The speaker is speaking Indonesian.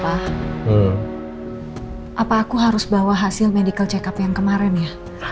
apa aku harus bawa hasil medical check up yang kemarin ya